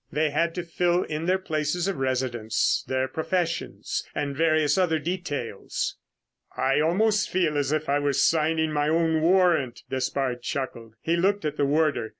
They had to fill in their places of residence, their professions, and various other details. "I almost feel as if I were signing my own warrant," Despard chuckled. He looked at the warder.